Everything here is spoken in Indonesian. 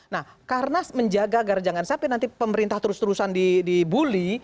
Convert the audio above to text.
nah karena menjaga agar jangan sampai nanti pemerintah terus terusan dibully